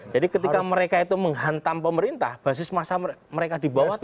jadi ketika mereka itu menghantam pemerintah basis masa mereka dibuat